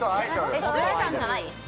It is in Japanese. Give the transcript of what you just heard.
鷲見さんじゃない？